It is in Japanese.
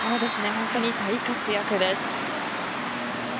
本当に大活躍です。